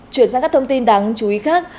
chuyển sang các thông tin đáng chú ý khác